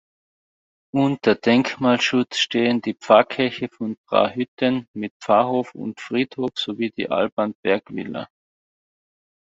Unter Denkmalschutz stehen die Pfarrkirche von Trahütten mit Pfarrhof und Friedhof sowie die Alban-Berg-Villa.